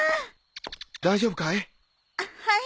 大丈夫かい？